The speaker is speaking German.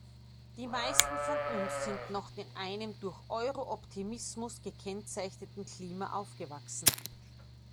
Die meisten von uns sind noch in einem durch Euro-Optimismus gekennzeichneten Klima aufgewachsen.